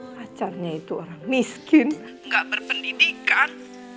pacarnya itu orang miskin gak berpendidikan